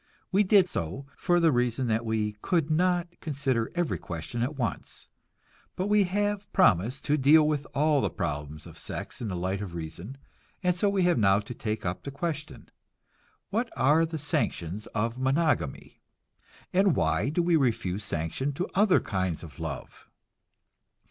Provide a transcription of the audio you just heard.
We did so, for the reason that we could not consider every question at once. But we have promised to deal with all the problems of sex in the light of reason; and so we have now to take up the question, what are the sanctions of monogamy, and why do we refuse sanction to other kinds of love?